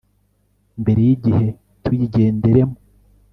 mbere y igihe tuyigenderemo